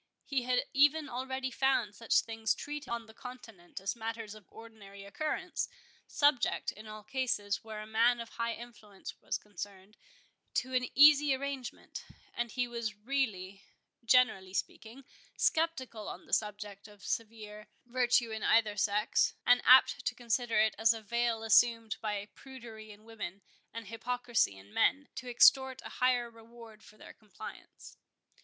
He had even already found such things treated on the continent as matters of ordinary occurrence, subject, in all cases where a man of high influence was concerned, to an easy arrangement; and he was really, generally speaking, sceptical on the subject of severe virtue in either sex, and apt to consider it as a veil assumed by prudery in women, and hypocrisy in men, to extort a higher reward for their compliance.